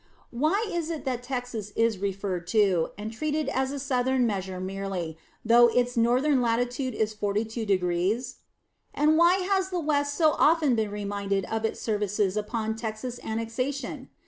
Why is it that Texas is referred to, and treated as a Southern measure merely, though its northern latitude is 42°? And why has the West so often been reminded of its services upon Texas annexation?